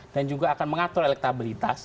dan juga akan mengatur elektabilitas